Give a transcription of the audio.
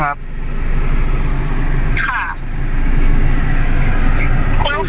ไม่มีคาแสดงจริงหรอ